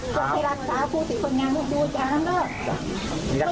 สวัสดีครับ